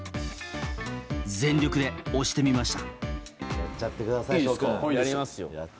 全力で押してみました。